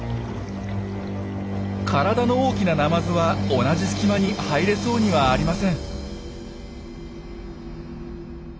体の大きなナマズは同じ隙間に入れそうにはありません。